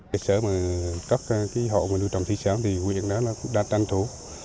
để sở các hộ nuôi trồng thủy sản huyện đã tranh thủ